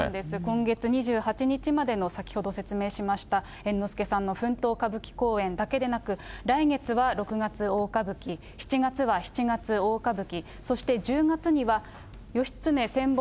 今月２８日までの先ほど説明しました猿之助さんの奮闘歌舞伎公演だけでなく、来月は六月大歌舞伎、７月は七月大歌舞伎、そして１０月には義経千本